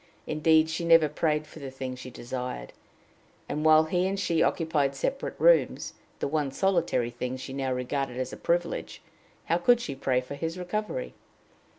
Indeed, she never prayed for the thing she desired; and, while he and she occupied separate rooms, the one solitary thing she now regarded as a privilege, how could she pray for his recovery?